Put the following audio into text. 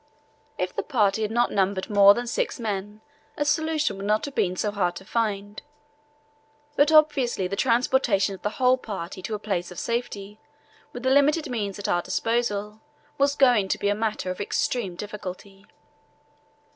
If the party had not numbered more than six men a solution would not have been so hard to find; but obviously the transportation of the whole party to a place of safety, with the limited means at our disposal, was going to be a matter of extreme difficulty.